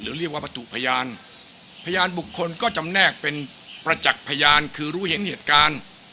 เรียกว่าประตูพยานพยานบุคคลก็จำแนกเป็นประจักษ์พยานคือรู้เห็นเหตุการณ์